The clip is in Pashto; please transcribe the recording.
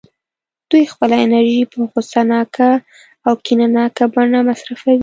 دوی خپله انرژي په غوسه ناکه او کینه ناکه بڼه مصرفوي